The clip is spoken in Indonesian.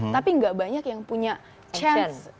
tapi gak banyak yang punya chance